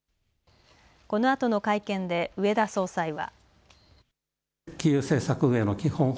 このあとの会見で植田総裁は。